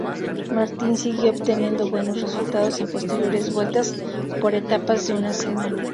Martin siguió obteniendo buenos resultados en posteriores vueltas por etapas de una semana.